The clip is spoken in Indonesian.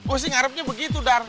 oh sih ngarepnya begitu dar